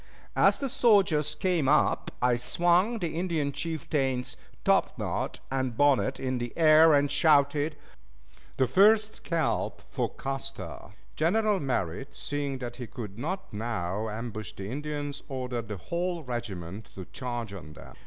As the soldiers came up I swung the Indian chieftain's topknot and bonnet in the air and shouted, "the first scalp for Custer." General Merritt, seeing that he could not now ambush the Indians, ordered the whole regiment to charge upon them.